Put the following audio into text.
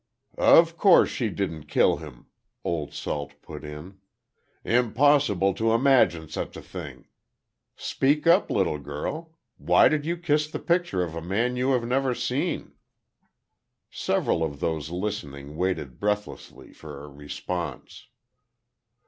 "Of course she didn't kill him," Old Salt put in. "Impossible to imagine such a thing! Speak up, little girl. Why did you kiss the picture of a man you had never seen?" Several of those listening waited breathlessly for a response.